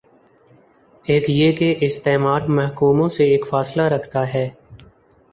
ایک یہ کہ استعمار محکوموں سے ایک فاصلہ رکھتا ہے۔